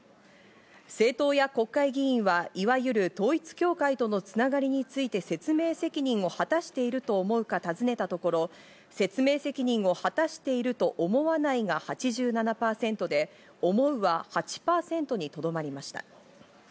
政党や国会議員はいわゆる統一教会との繋がりについて説明責任を果たしていると思うかたずねたところ説明責任を果たしていると思わないが８７％で、思うは８％にとどまりました。